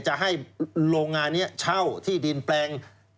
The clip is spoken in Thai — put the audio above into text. จะให้โรงงานนี้เช่าที่ดินแปลง